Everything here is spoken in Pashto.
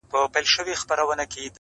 توري سترګي غړوې چي چي خوني نه سي-